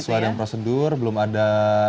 sesuai dengan prosedur belum ada